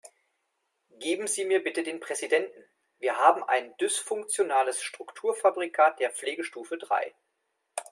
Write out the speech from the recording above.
Geben Sie mir bitte den Präsidenten, wir haben ein dysfunktionales Strukturfabrikat der Pflegestufe drei.